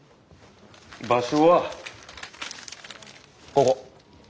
場所はここ。